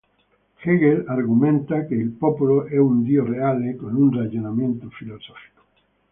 Hegel argomenta che "il popolo è un Dio reale" con un ragionamento filosofico.